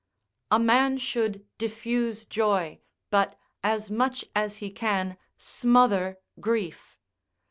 A man should diffuse joy, but, as much as he can, smother grief.